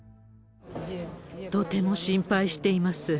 とても心配しています。